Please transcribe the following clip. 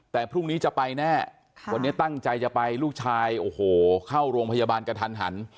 แต่พรุ่งนี้จะไปแน่วันนี้ตั้งใจจะไปลูกชายโอ้โหเข้าโรงพยาบาลกระทันหัน